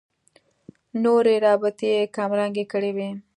نورې رابطې یې کمرنګې کړې وي.